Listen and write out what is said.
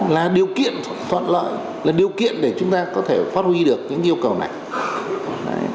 là điều kiện thuận lợi là điều kiện để chúng ta có thể phát huy được những yêu cầu này